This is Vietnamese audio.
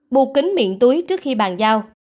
buộc kính miệng túi trước khi bàn giao